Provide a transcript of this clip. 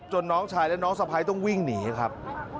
น้องชายและน้องสะพ้ายต้องวิ่งหนีครับ